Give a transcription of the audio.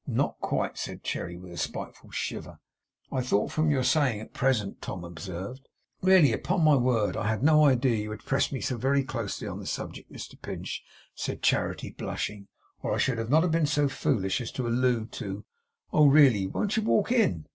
Not quite!' said Cherry, with a spiteful shiver. 'I thought from your saying "at present"' Tom observed. 'Really, upon my word! I had no idea you would press me so very closely on the subject, Mr Pinch,' said Charity, blushing, 'or I should not have been so foolish as to allude to oh really! won't you walk in?